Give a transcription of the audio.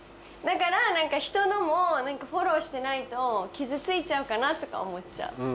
だから人のもフォローしてないと傷ついちゃうかなとか思っちゃう。